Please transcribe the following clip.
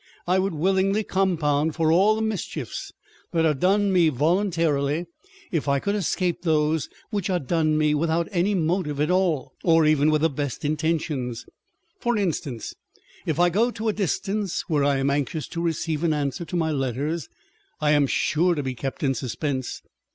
I would willingly compound for all the mischiefs that are done me volun tarily, if I could escape those which are done me without any motive at all, or even with the best intentions. For instance, if I go to a distance where I am anxious to receive an answer to my letters, I am sure to be kept in suspense.